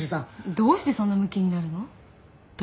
どうしてそんなムキになるの？